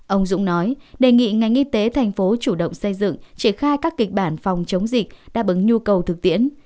ông dũng nói đề nghị ngành y tế thành phố chủ động xây dựng triển khai các kịch bản phòng chống dịch đáp ứng nhu cầu thực tiễn